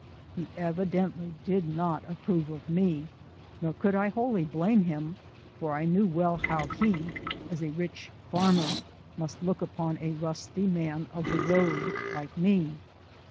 He evidently did not approve of me, nor could I wholly blame him, for I knew well how he, as a rich farmer, must look upon a rusty man of the road like me.